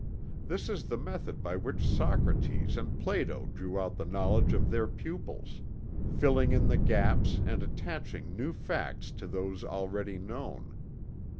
This is the method by which Socrates and Plato drew out the knowledge of their pupils, filling in the gaps and attaching new facts to those already known.